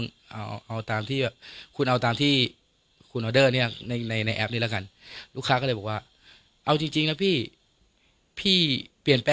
แต่บริษัทแบบว่าไม่รู้จะเปิดเมื่อไหร่แล้วมันเป็นอะไรที่ต้องใช้งานป่ะ